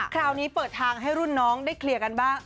คราวนี้เปิดทางให้รุ่นน้องได้เคลียร์กันบ้าง